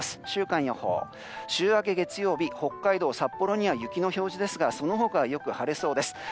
週間予報週明け月曜日、札幌雪の表示ですがその他はよく晴れそうです。